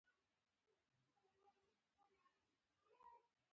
افغانستان د وګړي په اړه مشهور او لرغوني تاریخی روایتونه لري.